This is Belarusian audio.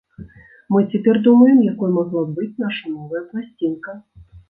Мы цяпер думаем, якой магла б быць наша новая пласцінка.